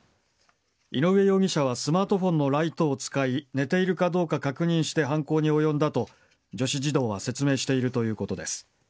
井上容疑者はスマートフォンのライトを使い寝ているかどうか確認して犯行に及んだと女子児童は説明しているということです。